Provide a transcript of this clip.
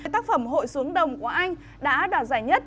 tác phẩm hội xuống đồng của anh đã đoạt giải nhất